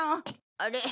あれ？